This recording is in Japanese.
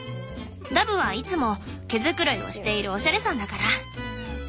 ダブはいつも毛繕いをしているおしゃれさんだから。